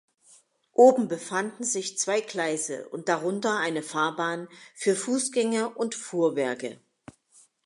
Oben befanden sich zwei Gleise und darunter eine Fahrbahn für Fussgänger und Fuhrwerke.